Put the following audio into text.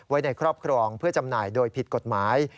ไว้ในครอบครองเพื่อจำหน่ายโดยผิดกฎหมาย